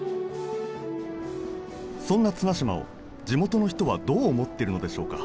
そんな綱島を地元の人はどう思ってるのでしょうか？